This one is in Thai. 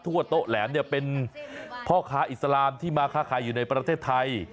ว่าโต๊ะแหลมเนี่ยเป็นพ่อค้าอิสลามที่มาค้าขายอยู่ในประเทศไทย